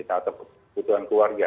atau butuhan keluarga